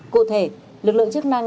cụ thể lực lượng chức năng